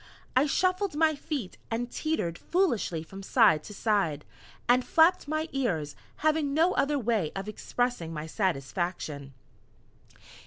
I shuffled my feet, and teetered foolishly from side to side, and flapped my ears, having no other way of expressing my satisfaction.